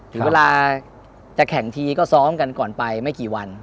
ถึงเวลาจะแข่งทีก็ซ้อมกันก่อนไปไม่กี่วัน